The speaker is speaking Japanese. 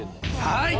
はい。